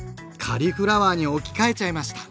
カリフラワーに置き換えちゃいました！